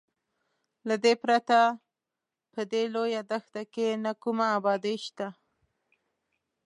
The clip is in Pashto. له دې پرته په دې لویه دښته کې نه کومه ابادي شته.